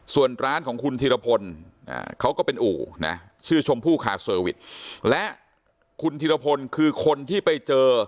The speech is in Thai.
ส่วนร้านของคุณธีรพลเขาก็เป็นอู่นะชื่อชมพู่คาเซอร์วิสและคุณธิรพลคือคนที่ไปเจอ